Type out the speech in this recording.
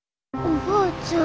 おばあちゃん。